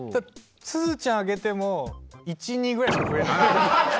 つづちゃんあげても１２ぐらいしか増えない。